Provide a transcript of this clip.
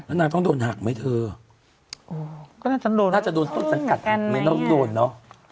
นางต้องโดนหักไหมเธอก็น่าจะโดนน่าจะโดนต้นสังกัดไม่ต้องโดนเนอะ